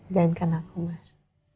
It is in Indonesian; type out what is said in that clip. jangankan aku mas